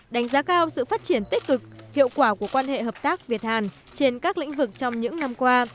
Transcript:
đánh giá cao sự phát triển tích cực hiệu quả của quan hệ hợp tác việt hàn trên các lĩnh vực trong những năm qua